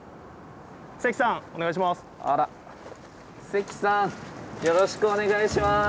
関さんよろしくお願いします。